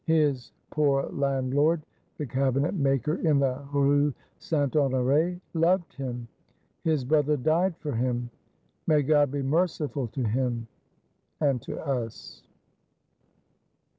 His poor landlord, the Cabinet maker in the Rue Saint Honore, loved him; his Brother died for him. May God be merciful to him, and to us!